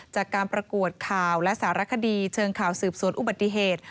จากการประกวดข่าวและสารคดีเชิงข่าวสืบสวนอุบัติเหตุ